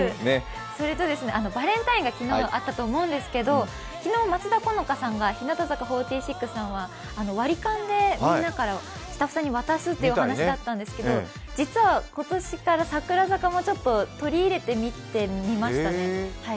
それとですね、バレンタインが昨日あったと思うんですが、昨日、松田好花さんが日向坂４６さんが割り勘でみんなからスタッフさんに渡すというお話だったんですけれども、実は今年から櫻坂も取り入れてみましたね。